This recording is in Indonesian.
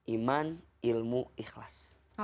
iman ilmu ikhlas